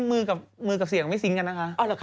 มือกับมือกับเสียงไม่ซิงกันนะคะ